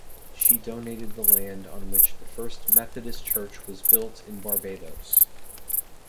She donated the land on which the first Methodist Church was built in Barbados.